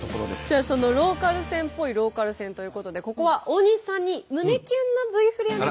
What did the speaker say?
じゃあそのローカル線っぽいローカル線ということでここは大西さんに胸キュンのＶ振りお願いします。